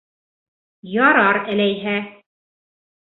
— Ярар әләйһә.